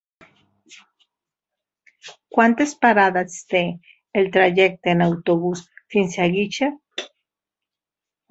Quantes parades té el trajecte en autobús fins a Guixers?